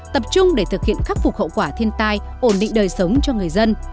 tập trung để thực hiện khắc phục hậu quả thiên tai ổn định đời sống cho người dân